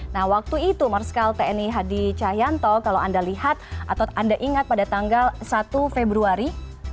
nah waktu itu marskal tni hadi cahyanto kalau anda lihat atau anda ingat pada tanggal satu februari